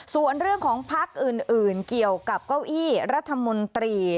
ส่วนเรื่องของพักอื่นเกี่ยวกับเก้าอี้รัฐมนตรี